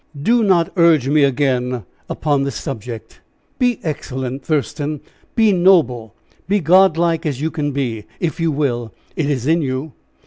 Do not urge me again upon this subject. Be excellent, Thurston, be noble, be god like, as you can be, if you will; it is in you.